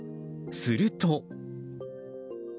すると。